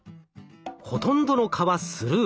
ほとんどの蚊はスルー。